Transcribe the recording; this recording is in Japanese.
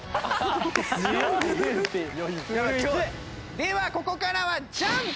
ではここからはジャンプ。